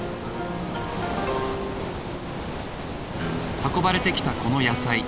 運ばれてきたこの野菜。